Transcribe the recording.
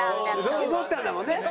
そう思ったんだもんね。